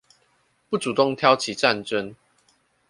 不主動挑起戰爭